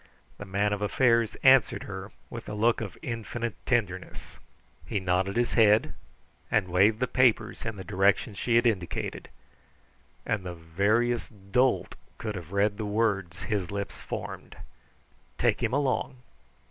The Man of Affairs answered her with a look of infinite tenderness. He nodded his head and waved the papers in the direction she had indicated, and the veriest dolt could have read the words his lips formed: "Take him along!"